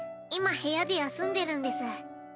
今部屋で休んでるんです。